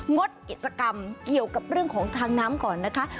งดกิจกรรมเกี่ยวกับเรื่องของทางน้ำก่อนนะคะ